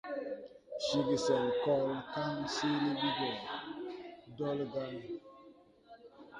Ceege sen kɔL kaŋ seele ɓi gɔ ɗolgãy.